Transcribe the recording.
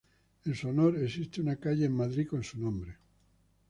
En su honor, existe una calle en Madrid con su nombre.